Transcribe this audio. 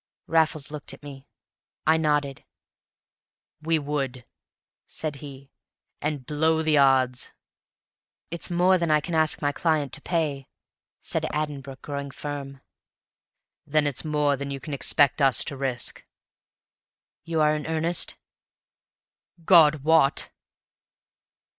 Raffles looked at me. I nodded. "We would," said he, "and blow the odds!" "It's more than I can ask my client to pay," said Addenbrooke, growing firm. "Then it's more than you can expect us to risk." "You are in earnest?" "God wot!"